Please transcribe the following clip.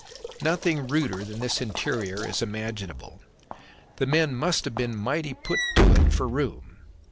Nothing ruder than this interior is imaginable. The men must have been mighty put to it for room.